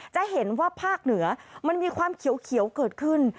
จะเห็นว่าภาคเหนือมันมีความเขียวเกิดขึ้น